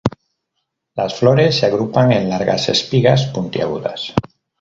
Las flores se agrupan en largas espigas puntiagudas.